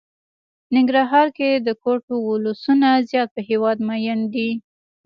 ننګرهار کې د کوټ ولسونه زيات په هېواد ميئن دي.